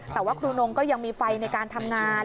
แต่ว่าครูนงก็ยังมีไฟในการทำงาน